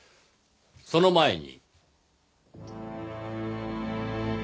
その前に。